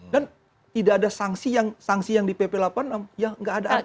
dan tidak ada sanksi yang di pp delapan puluh enam yang nggak ada artinya